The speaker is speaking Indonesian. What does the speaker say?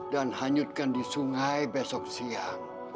dan hanyutkan di sungai besok siang